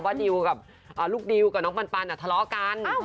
ว่าลูกดิวกับน้องปันปันอ่ะทะเลาะกัน